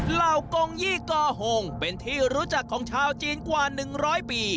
เหล่ากงยี่กอหงเป็นที่รู้จักของชาวจีนกว่า๑๐๐ปี